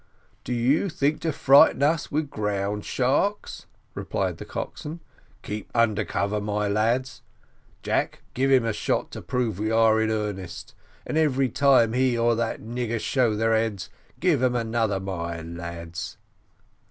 "Do you think to frighten us with ground sharks?" replied the coxswain, "keep under cover, my lad; Jack, give him a shot to prove we are in earnest, and every time he or that nigger show their heads, give them another, my lads."